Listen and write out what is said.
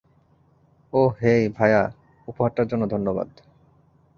ওহ, hey, ভায়া, উপহারটার জন্য ধন্যবাদ।